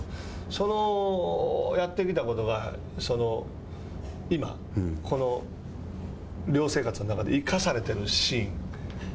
そのやってきたことが今、この寮生活の中で生かされているシーン。